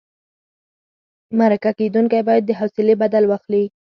مرکه کېدونکی باید د حوصلې بدل واخلي.